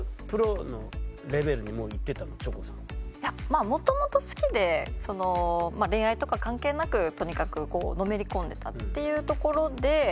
まあもともと好きで恋愛とか関係なくとにかくのめりこんでたっていうところで。